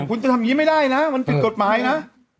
มึงจะทำงี้ไม่ได้นะมันเป็นกฎหมายน่ะ